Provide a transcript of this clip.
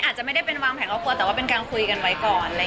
อาจจะไม่ได้เป็นวางแผนครอบครัวแต่ว่าเป็นการคุยกันไว้ก่อน